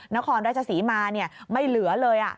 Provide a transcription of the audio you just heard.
นครราชศรีมาไม่เหลือเลย